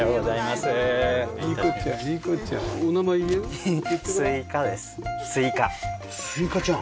すいかちゃん？